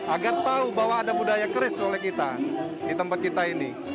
agar tahu bahwa ada budaya keris oleh kita di tempat kita ini